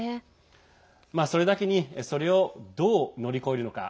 それだけにそれをどう乗り越えるのか。